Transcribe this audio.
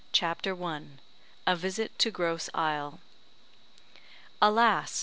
CHAPTER I A VISIT TO GROSSE ISLE Alas!